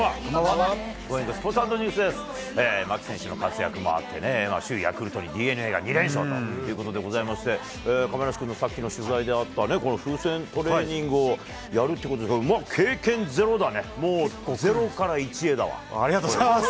牧選手の活躍もあってね、首位ヤクルトにＤｅＮＡが２連勝ということでございまして、亀梨君のさっきの取材であった、この風船トレーニングをやるということで、経験ゼロだね、ありがとうございます。